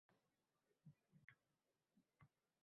Mayli qulog`imiz tinch bo`lsin deb ota uyni ham sotdik